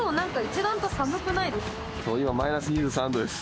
今マイナス２３℃です。